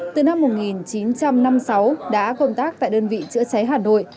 từ năm một nghìn chín trăm năm mươi sáu đã công tác tại đơn vị chữa cháy hà nội